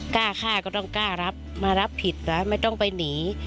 กล้าฆ่าก็ต้องกล้ารับมารับผิดซะไม่ต้องไปหนี